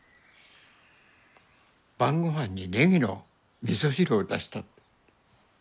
晩ごはんにネギのみそ汁を出した。